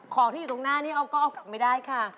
ของที่อยู่ตรงหน้านี้ออฟก็เอากลับไม่ได้ค่ะ